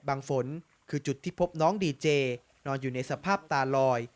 ฝนคือจุดที่พบน้องดีเจนอนอยู่ในสภาพตาลอย